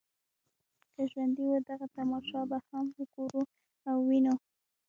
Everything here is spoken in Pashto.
که ژوندي وو دغه تماشه به هم وګورو او وینو.